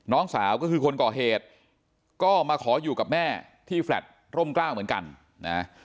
น้องสาวก็คือคนก่อเหตุก็มาขออยู่กับแม่ที่แฟลตร่มกล้าวเหมือนกันนะ